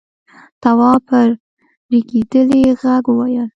تواب په رېږديدلي غږ وويل: